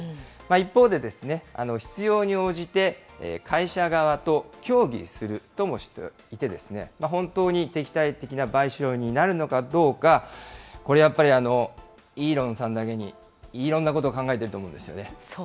一方で、必要に応じて、会社側と協議するともしていて、本当に敵対的な買収になるのかどうか、これやっぱり、イーロンさんだけに、いーろんなこと考えてると思うんですよね。